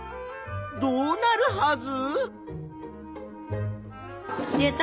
どうなるはず？